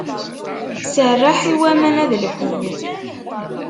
Serreḥ i waman ad lḥun.